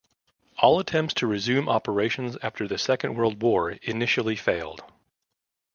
All attempts to resume operations after the Second World War initially failed.